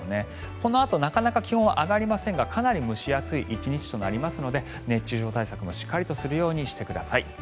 このあとなかなか気温、上がりませんがかなり蒸し暑い１日となりますので熱中症対策もしっかりするようにしてください。